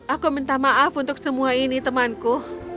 aku minta maaf untuk semua ini temanku